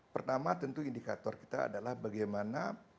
pertama tentu indikator kita adalah bagaimana